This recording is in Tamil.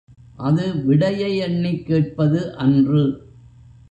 அது விடையை எண்ணிக் கேட்பது அன்று.